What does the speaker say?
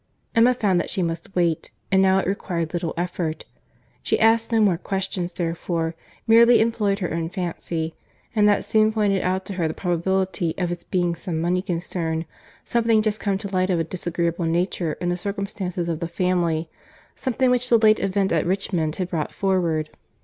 Emma found that she must wait; and now it required little effort. She asked no more questions therefore, merely employed her own fancy, and that soon pointed out to her the probability of its being some money concern—something just come to light, of a disagreeable nature in the circumstances of the family,—something which the late event at Richmond had brought forward.